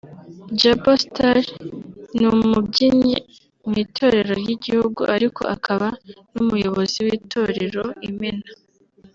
Jaba Star ni umubyinnyi mu itorero ry’igihugu ariko akaba n’umuyobozi w’itorero Imena